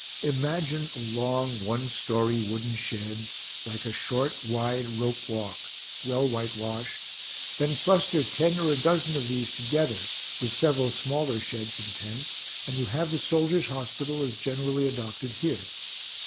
Imagine a long, one story wooden shed, like a short, wide ropewalk, well whitewashed; then cluster ten or a dozen of these together, with several smaller sheds and tents, and you have the soldiers' hospital as generally adopted here.